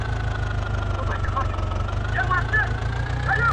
بلا وه، برکت ئې نه و.